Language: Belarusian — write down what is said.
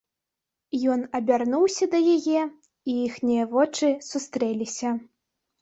Ён абярнуўся да яе, і іхнія вочы сустрэліся.